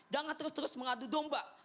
jangan terus terus mengadu domba